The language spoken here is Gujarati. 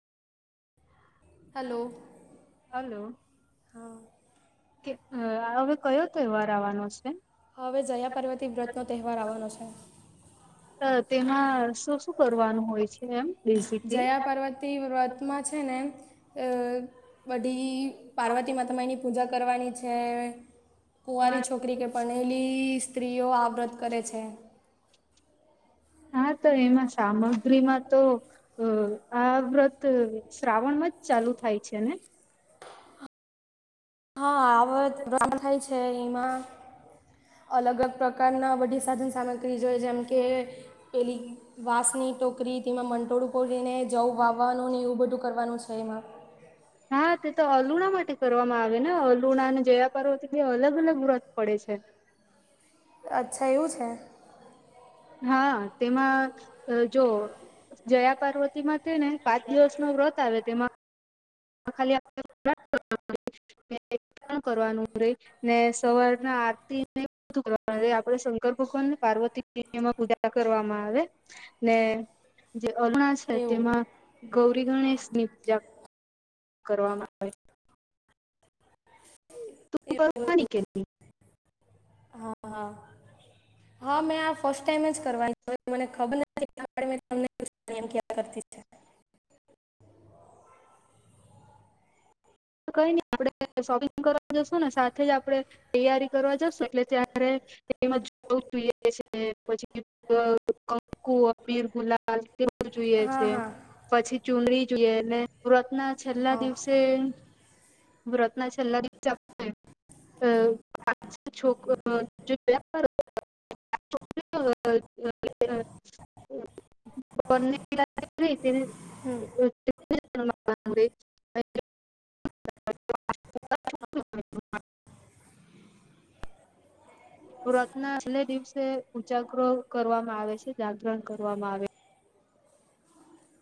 Hello- hello. કે અ હવે કયો તહેવાર આવવાનો છે? હવે જયા પારવતી વ્રતનો તહેવાર આવવાનો છે. તો તેમાં શું શું કરવાનું હોય છે એમ? જયા બેઝિકલી? પાર્વતી વ્રતમાં છે ને, અ બધી પાર્વતી માતા માય ની પૂજા કરવાની છે, કુંવારી છોકરી કે પરણે લી સ્ત્રીઓ આ વ્રત કરે છે. હા તો એમાં સામગ્રીમાં તો અ આ વ્રત શ્રાવણમાં જ ચાલુ થાય છે ને? હા આ વ્રત [unintelligible] થાય છે એમાં અલગજ પ્રકારના બધી સાધન સામગ્રી જોઈએ, જેમ કે પેલી વાંસની ટોકરી તેમાં મંટોળું પૂરીને, જવ વાવવાનું ને એવું બધું કરવાનું છે એમાં. હા તે તો અલુણા માટે કરવામાં આવે ને, અલુણા અને જયા પાર્વતી બે અલગ અલગ વ્રત પડે છે. અચ્છા એવું છે. હા તેમાં અ જો જયા પાર્વતી માં તે ને પાંચ દિવસ નો વ્રત આવે તેમાં ખાલી [unintelligible] કરવાનું રે ને સવારના આરતીને બધું કરવામાં આવે, આપડે શંકર ભગવાન ને પાર્વતી [unintelligible] પૂજા કરવામાં આવે ને જે અરૂણા છે, એવું તેમાં ગૌરી ગણેશ ની પૂજા કરવામાં આવે. તું [inaudible] કરતી હા હા, હા મે આ ફસ્ટ ટાઈમ જ કરવાની હોય, મને ખબર નહી [inaudible] [inaudible] કઈ નઈ આપણે શોપિંગ કરવા જશું ને, સાથે જ આપણે તૈયારી કરવા જશું, એટલે ત્યારે [unintelligible] કંકુ, અબીલ, ગુલાલ. એ બધુંજોઈએ હા છે, હા પછી ચુંનડી જોઈએ, એલે વ્રતના છેલ્લા હા દિવસે વ્રતના છેલ્લા [unintelligible] અ પા છોક [inaudible] [inaudible] [inaudible] વ્રતના છેલે દિવસે ઉજાગરો કરવામાં આવે છે, જાગરણ કરવામાં આવે.